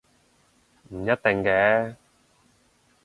唔一定嘅